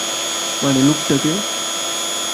মানে, লোকটাকে।